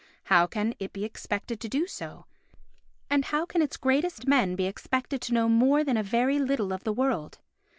How can it be expected to do so? And how can its greatest men be expected to know more than a very little of the world?